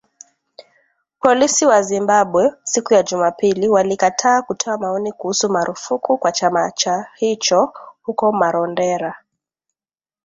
Polisi wa Zimbabwe, siku ya Jumapili walikataa kutoa maoni kuhusu marufuku kwa chama cha hicho huko Marondera